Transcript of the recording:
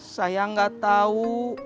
saya tidak tahu